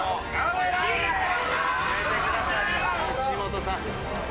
やめてください西本さん。